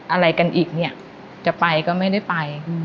อะไรกันอีกเนี่ยจะไปก็ไม่ได้ไป